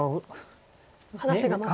話がまだ。